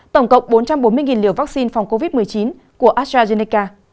tổng cộng bốn trăm bốn mươi liều vaccine phòng covid một mươi chín của astrazeneca